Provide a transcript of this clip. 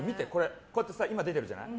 こうやって今、出てるじゃない。